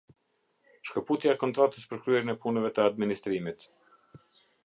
Shkëputja e kontratës për kryerjen e punëve të administrimit.